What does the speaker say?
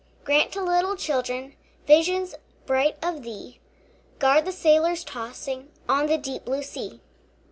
Grant to little children Visions bright of thee; Guard the sailors tossing On the deep blue sea.